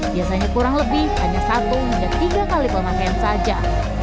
biasanya kurang lebih hanya satu hingga tiga kali pemakaian saja